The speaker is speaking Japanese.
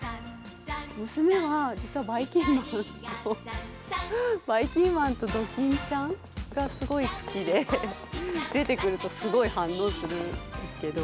娘は、実はばいきんまんと、ドキンちゃんがすごい好きで、出てくると、すごい反応するんですけど。